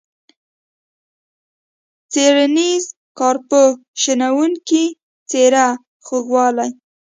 څیړنیز، کارپوه ، شنونکی ، څیره، خوږوالی.